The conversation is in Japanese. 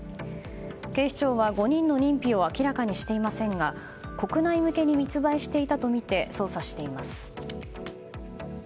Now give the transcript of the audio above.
警視庁は５人の認否を明らかにしていませんが国内向けに密売していたとみて捜査しています。